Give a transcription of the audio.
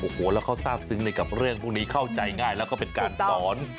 โอ้โหแล้วเขาทราบซึ้งในกับเรื่องพวกนี้เข้าใจง่ายแล้วก็เป็นการสอน